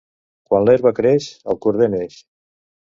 Quan l'herba creix el corder neix.